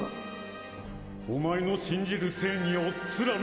お前の信じる正義を貫け！